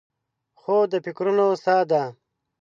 خوب د فکرونو سا ده